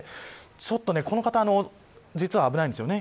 ちょっと、この方実は危ないんですよね。